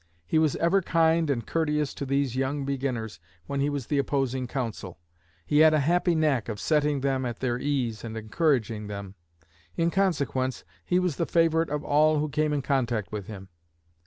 He was ever kind and courteous to these young beginners when he was the opposing counsel. He had a happy knack of setting them at their ease and encouraging them. In consequence he was the favorite of all who came in contact with him.